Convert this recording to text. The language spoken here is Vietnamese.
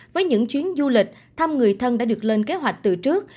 với những chuyến du lịch thăm người thân đã được lên kế hoạch từ trước